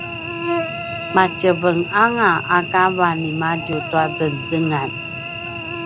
matjevenganga a kava nimadju tua zengzengan